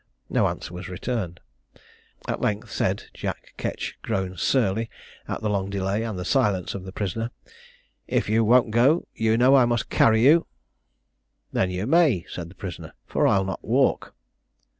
No answer was returned. At length, said Jack Ketch, grown surly at the long delay and the silence of the prisoner, "If you won't go, you know I must carry you." "Then you may," said the prisoner, "for I'll not walk."